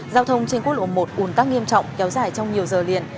giao thông trên quốc lộ một ùn tắc nghiêm trọng kéo dài trong nhiều giờ liền